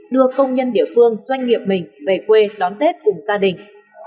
đưa công nhân địa phương doanh nghiệp mình về quê đón tết cùng gia đình